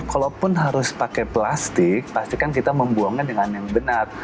kalaupun harus pakai plastik pastikan kita membuangnya dengan yang benar